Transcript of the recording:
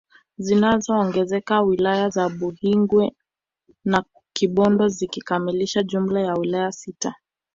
Zinaongezeka wilaya za Buhingwe na Kibondo zikikamilisha jumla ya wilaya sita